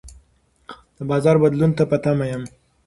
د بازار بدلون ته په تمه یم.